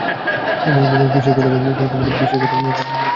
কিসের কথা বলছ?